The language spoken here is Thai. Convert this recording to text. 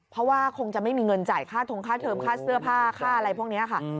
เพราะว่าคงจะไม่มีเงินจ่ายค่าทงค่าเทิมค่าเสื้อผ้าค่าอะไรพวกนี้ค่ะ